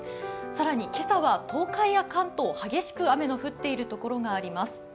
更に今朝は東海や関東、激しく雨の降っている所があります。